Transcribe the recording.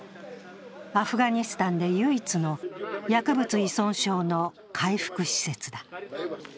アフガニスタンで唯一の薬物依存症の回復施設だ。